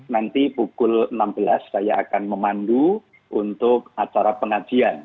nanti pukul enam belas saya akan memandu untuk acara pengajian